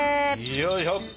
よいしょ！